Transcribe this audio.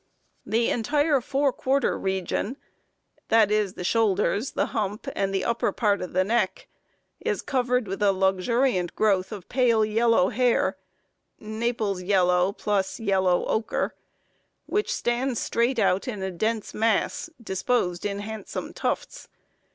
The entire fore quarter region, e. g., the shoulders, the hump, and the upper part of the neck, is covered with a luxuriant growth of pale yellow hair (Naples yellow + yellow ocher), which stands straight out in a dense mass, disposed in handsome tufts.